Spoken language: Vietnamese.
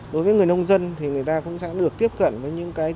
đối với người nông dân thì người ta cũng sẽ được tiếp cận với những cái